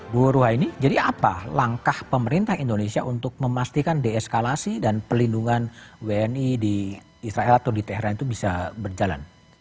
bu ruha ini jadi apa langkah pemerintah indonesia untuk memastikan deeskalasi dan pelindungan wni di israel atau di teheran itu bisa berjalan